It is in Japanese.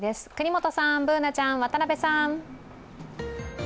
國本さん、Ｂｏｏｎａちゃん、渡部さん。